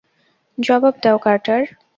জবাব দাও, কার্টার!